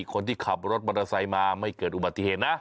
คนที่ขับรถมันมาไม่เกิดอุบัติเหตุนะ